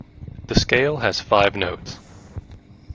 The scale has five notes.